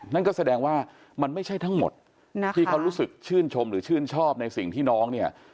นั่นก็แสดงว่ามันไม่ใช่ทั้งหมดนะที่เขารู้สึกชื่นชมหรือชื่นชอบในสิ่งที่น้องเนี่ย